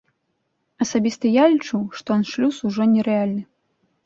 Асабіста я лічу, што аншлюс ужо нерэальны.